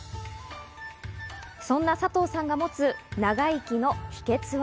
そんな佐藤さんが持つ長生きの秘訣は。